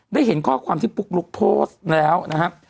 ได้เห็นข้อความที่ปุ๊กลุ๊กโพสต์แล้วนะครับ